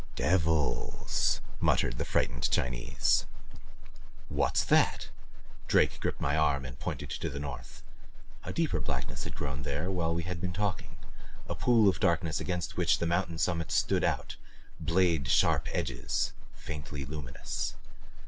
"Devils " muttered the frightened Chinese. "What's that?" Drake gripped my arm and pointed to the north. A deeper blackness had grown there while we had been talking, a pool of darkness against which the mountain summits stood out, blade sharp edges faintly luminous.